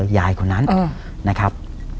ยายคนนั้นนะครับ